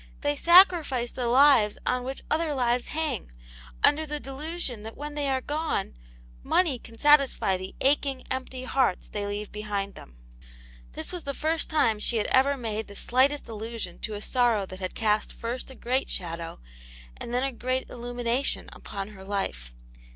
They sacrifice the lives on which other lives hang, under the delusion that wheni they are gone money can satisfy the aching, empty, hearts they leave behind them." This was the first time she had ever made the slightest allusion to a sorrow that had cast first a great shadow and then a great illumination upon her life.